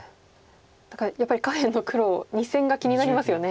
何かやっぱり下辺の黒２線が気になりますよね。